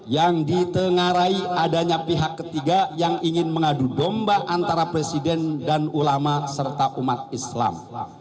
yang ditengarai adanya pihak ketiga yang ingin mengadu domba antara presiden dan ulama serta umat islam